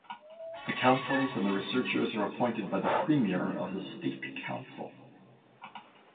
The counsellors and the researchers are appointed by the Premier of the State Council.